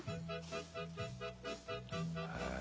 「へえ」